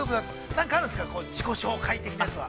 なんかあるんですか、自己紹介的なやつは。